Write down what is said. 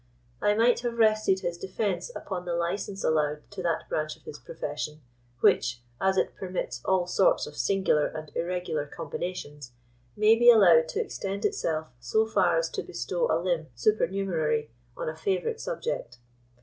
I might have rested his defence upon the license allowed to that branch of his profession, which, as it permits all sorts of singular and irregular combinations, may be allowed to extend itself so far as to bestow a limb supernumerary on a favourite subject.